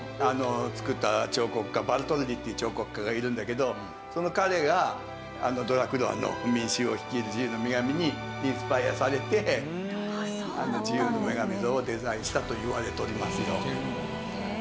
作った彫刻家バルトルディっていう彫刻家がいるんだけどその彼がドラクロワの『民衆を率いる自由の女神』にインスパイアされて『自由の女神像』をデザインしたといわれておりますよ。